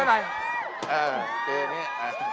เออเปลี่ยนนี้